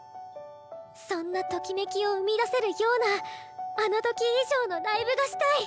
そんなトキメキを生み出せるようなあの時以上のライブがしたい！